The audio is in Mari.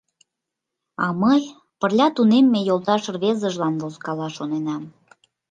А мый пырля тунемме йолташ рвезыжлан возкала, шоненам.